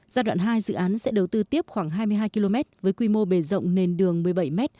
giai đoạn hai dự án sẽ đầu tư tiếp khoảng hai mươi hai km với quy mô bề rộng nền đường một mươi bảy m